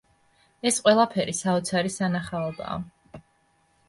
ეს ყველაფერი საოცარი სანახაობაა.